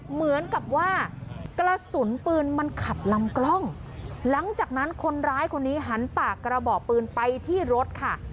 เหมือนกับว่ากระสุนปืนมันขัดลำกล้องหลังจากนั้นคนร้ายคนนี้หันปากกระบอกปืนไปที่รถค่ะ